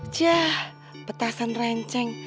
jah petasan renceng